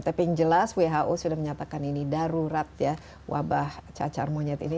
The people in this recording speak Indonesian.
tapi yang jelas who sudah menyatakan ini darurat ya wabah cacar monyet ini